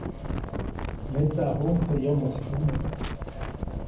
Metsaʼajuʼuŋ teʼ yomoʼis ʼyune.